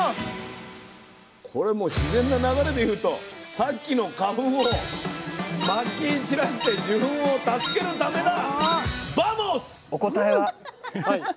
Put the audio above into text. これもう自然な流れで言うとさっきの花粉をまき散らして受粉を助けるためだ。